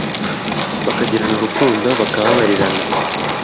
bakagirana urukundo bakababarirana